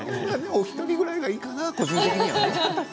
お一人ぐらいがいいかな個人的には。